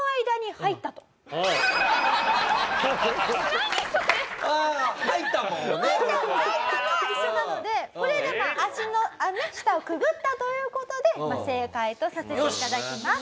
入ったのは一緒なのでこれでまあ足のね下をくぐったという事で正解とさせていただきます。